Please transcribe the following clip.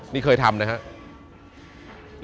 นี่เคยทำนะครับ